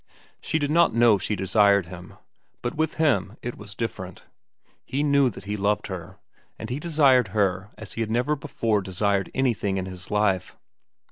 She did not know she desired him; but with him it was different. He knew that he loved her, and he desired her as he had never before desired anything in his life.